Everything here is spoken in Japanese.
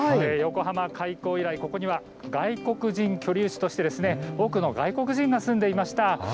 横浜開港以来、ここには外国人居留地として多くの外国人が住んでいました。